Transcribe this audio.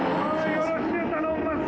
◆よろしゅうたのんます！